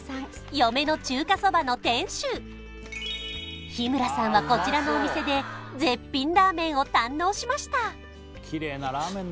嫁の中華そばの店主日村さんはこちらのお店で絶品ラーメンを堪能しました